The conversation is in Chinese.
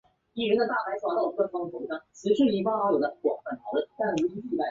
后梁末帝朱友贞干化二年敦煌迎来一位新的统治者曹议金。